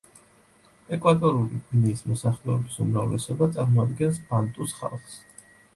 ეკვატორული გვინეის მოსახლეობის უმრავლესობა წარმოადგენს ბანტუს ხალხს.